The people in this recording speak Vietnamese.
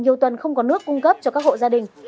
nhiều tuần không có nước cung cấp cho các hộ gia đình